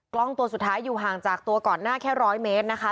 กล้องตัวสุดท้ายอยู่ห่างจากตัวก่อนหน้าแค่๑๐๐เมตรนะคะ